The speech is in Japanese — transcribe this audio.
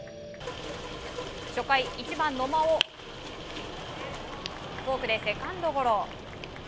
初回、１番、野間をフォークでセカンドゴロ。